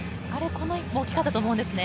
この１本大きかったと思うんですね。